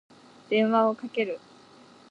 電話をかける。